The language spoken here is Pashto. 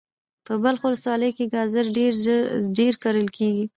په بلخ ولسوالی کی ګازر ډیر کرل کیږي.